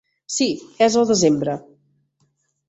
Sí, és al desembre.